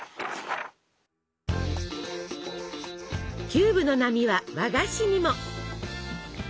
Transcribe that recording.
キューブの波は和菓子にも！